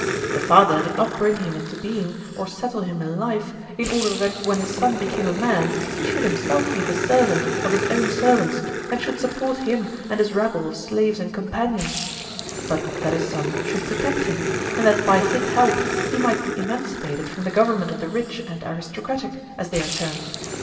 The father did not bring him into being, or settle him in life, in order that when his son became a man he should himself be the servant of his own servants and should support him and his rabble of slaves and companions; but that his son should protect him, and that by his help he might be emancipated from the government of the rich and aristocratic, as they are termed.